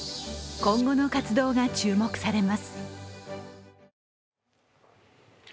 今後の活動が注目されます。